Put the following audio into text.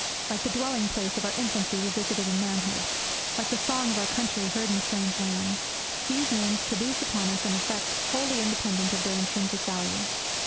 Like the dwelling place of our infancy revisited in manhood, like the song of our country heard in a strange land, these names produce upon us an effect wholly independent of their intrinsic value.